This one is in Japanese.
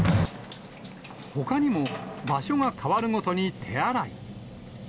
ほかにも、場所が変わるごとに手洗い。